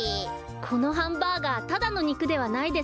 このハンバーガーただのにくではないですね。